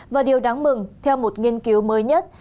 và điều đáng mừng theo một nghiên cứu mới nhất